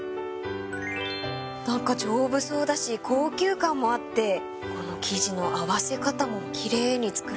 何か丈夫そうだし高級感もあってこの生地の合わせ方も奇麗に作られてます。